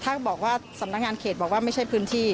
ถ้าบอกว่าสำนักงานเขตบอกว่าไม่ใช่พื้นที่